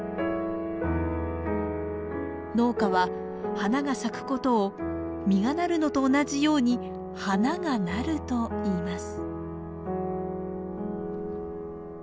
農家は花が咲くことを実がなるのと同じように花が「なる」と言います。